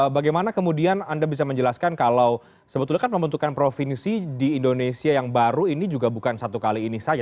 bagaimana kemudian anda bisa menjelaskan kalau sebetulnya kan pembentukan provinsi di indonesia yang baru ini juga bukan satu kali ini saja